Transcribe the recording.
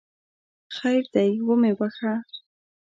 خیر دی ومې بخښه!